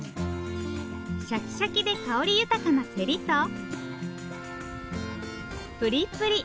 シャキシャキで香り豊かなせりと。